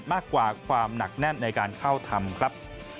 มากกว่าความหนักแน่นในการเข้าทำครับ